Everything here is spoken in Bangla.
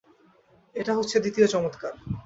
এটা হচ্ছে দ্বিতীয় চমৎকার।